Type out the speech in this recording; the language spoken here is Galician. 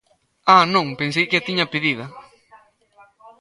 ¡Ah!, non, pensei que a tiña pedida.